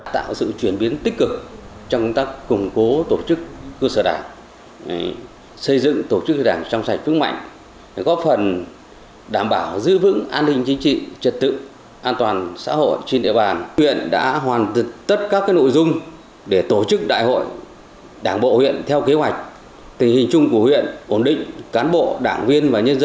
tạo sự chuyển biến tích cực trong cách củng cố tổ chức cơ sở đảng xây dựng tổ chức cơ sở đảng trong sạch phức mạnh